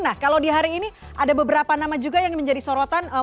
nah kalau di hari ini ada beberapa nama juga yang menjadi sorotan